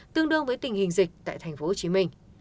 tương đương với tình hình dịch tại tp hcm